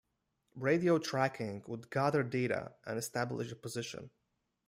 Radio tracking would gather data and establish a position.